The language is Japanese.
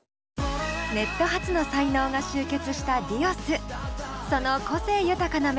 ネット発の才能が集結したＤｉｏｓ。